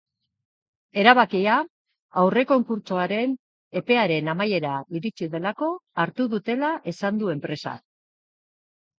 Erabakia aurrekonkurtsoaren epearen amaiera iritsi delako hartu dutela esan du enpresak.